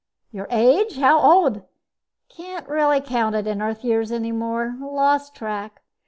"Your age? How old ?" "Can't really count it in Earth years any more. Lost track.